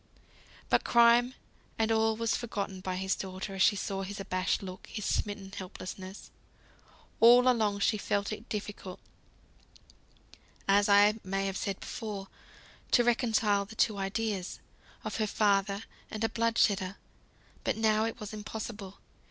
But crime and all was forgotten by his daughter, as she saw his abashed look, his smitten helplessness. All along she had felt it difficult (as I may have said before) to reconcile the two ideas, of her father and a blood shedder. But now it was impossible.